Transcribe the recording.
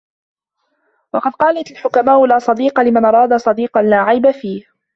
وَقَدْ قَالَتْ الْحُكَمَاءُ لَا صَدِيقَ لِمَنْ أَرَادَ صَدِيقًا لَا عَيْبَ فِيهِ